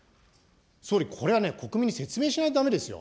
総理、これはね、国民に説明しないとだめですよ。